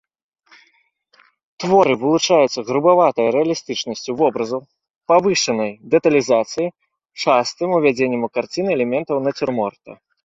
Творы вылучаюцца грубаватай рэалістычнасцю вобразаў, павышанай дэталізацыяй, частым увядзеннем у карціны элементаў нацюрморта.